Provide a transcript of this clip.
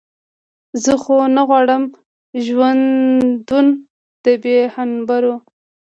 زه خو نه غواړم ژوندون د بې هنبرو.